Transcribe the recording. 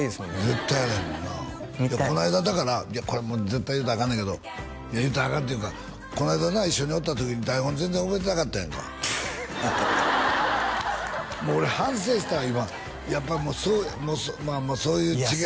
絶対やらへんもんなこないだだからこれ絶対言うたらアカンねんけど言うたらアカンというかこないだな一緒におった時に台本全然覚えてなかったやんかもう俺反省したわ今やっぱそういう違い